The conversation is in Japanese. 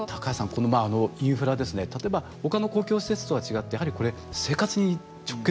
このインフラですね例えばほかの公共施設とは違ってやはりこれ生活に直結してると。